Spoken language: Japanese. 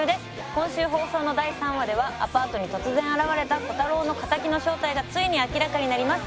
今週放送の第３話ではアパートに突然現れたコタローの敵の正体がついに明らかになります。